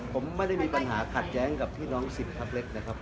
ผมไม่ได้มีปัญหาขัดแย้งกับพี่น้อง๑๐พักเล็กนะครับ